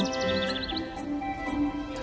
suatu hari dia menemukan li jun